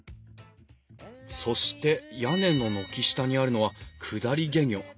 そして屋根の軒下にあるのは降り懸魚。